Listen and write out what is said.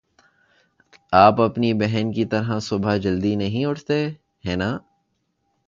آپ اپنی بہن کی طرح صبح جلدی نہیں اٹھتے، ہے نا؟